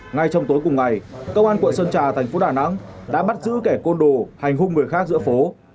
ngay trong tối cùng ngày công an quận sơn trà thành phố đà nẵng đã bắt giữ kẻ côn đồ hành hung người khác giữa phố